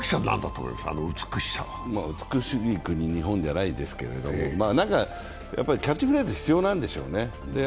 美しい国・日本じゃないですけどキャッチフレーズが必要なんでしょうね。